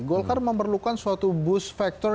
golkar memerlukan suatu boost factor